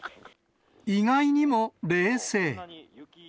意外にも冷静。